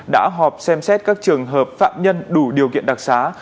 đã họp xem xét các trường hợp phạm nhân đủ điều kiện đặc xá